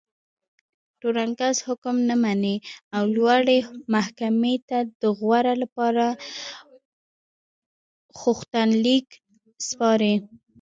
تورن کس حکم نه مني او لوړې محکمې ته د غور لپاره غوښتنلیک سپاري.